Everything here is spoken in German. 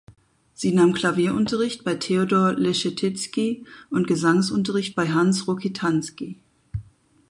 Sie nahm Klavierunterricht bei Theodor Leschetizky und Gesangsunterricht bei Hans Rokitansky.